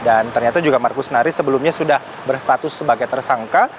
dan ternyata juga markus nari sebelumnya sudah berstatus sebagai tersangka